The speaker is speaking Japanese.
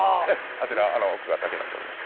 あちらあの奥が滝になっております。